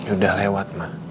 udah lewat ma